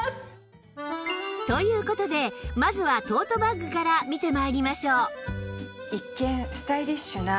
という事でまずはトートバッグから見て参りましょう